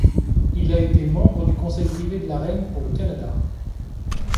Il a été membre du Conseil privé de la Reine pour le Canada.